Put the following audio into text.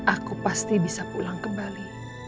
aku pasti bisa pulang kembali